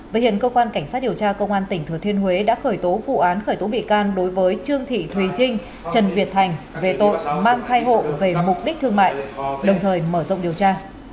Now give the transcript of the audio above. với hiện cơ quan cảnh sát điều tra công an tỉnh thừa thiên huế đã khởi tố vụ án khởi tố bị can đối với trương thị thùy trinh trần việt thành về tội mang thai hộ về mục đích thương mại đồng thời mở rộng điều tra